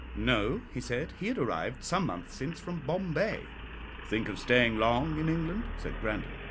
"No," he said; "he had arrived some months since from Bombay." "Think of staying long in England?" said Grandon.